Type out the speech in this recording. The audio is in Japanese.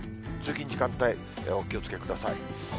通勤時間帯、お気をつけください。